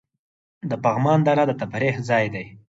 د پغمان دره د تفریح ځای دی